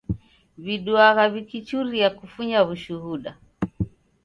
W'iduagha w'ikichuria kufunya w'ushuda.